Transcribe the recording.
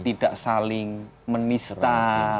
tidak saling menista